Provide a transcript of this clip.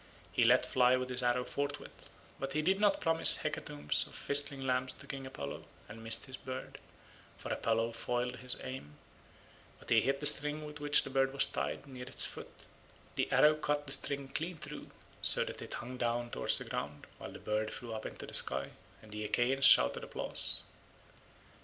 He let fly with his arrow forthwith, but he did not promise hecatombs of firstling lambs to King Apollo, and missed his bird, for Apollo foiled his aim; but he hit the string with which the bird was tied, near its foot; the arrow cut the string clean through so that it hung down towards the ground, while the bird flew up into the sky, and the Achaeans shouted applause.